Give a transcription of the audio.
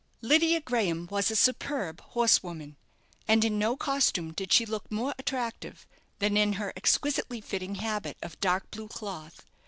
Lydia Graham was a superb horsewoman; and in no costume did she look more attractive than in her exquisitely fitting habit of dark blue cloth.